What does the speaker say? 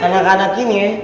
anak anak ini ya